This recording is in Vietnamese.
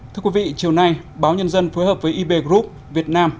thưa quý vị chiều nay báo nhân dân phối hợp với ib group việt nam